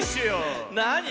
なに？